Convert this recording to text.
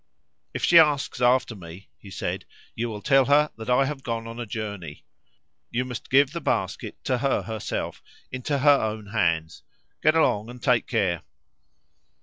"If she asks after me," he said, "you will tell her that I have gone on a journey. You must give the basket to her herself, into her own hands. Get along and take care!"